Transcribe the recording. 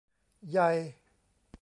ไย